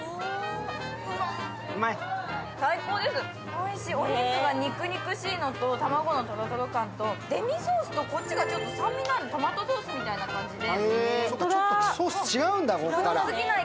おいしい、お肉が肉肉しいのと卵のとろとろ感とデミソースと、こっちが酸味のあるトマトソースみたいなので。